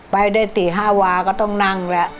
ไปได้๔๕วาก็ต้องนั่งแล้ว